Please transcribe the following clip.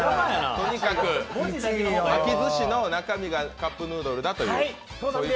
とにかく巻き寿司の中身がカップヌードルだという。